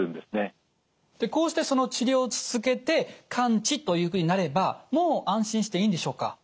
こうしてその治療を続けて完治というふうになればもう安心していいんでしょうか？